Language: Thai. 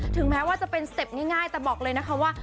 ถึงแม้ว่าจะเป็นสเต็ปง่ายแต่บอกเลยนะคะว่า